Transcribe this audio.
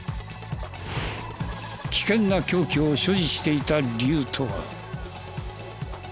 危険な凶器を所持していた理由とは？